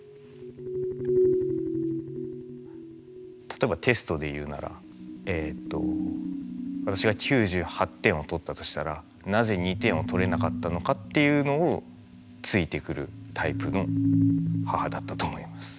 例えばテストで言うなら私が９８点を取ったとしたらなぜ２点を取れなかったのかっていうのをついてくるタイプの母だったと思います。